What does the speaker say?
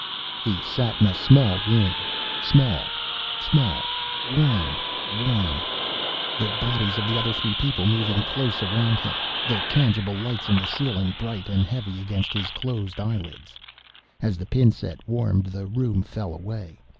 He sat in a small room, small, small, warm, warm, the bodies of the other three people moving close around him, the tangible lights in the ceiling bright and heavy against his closed eyelids. As the pin set warmed, the room fell away.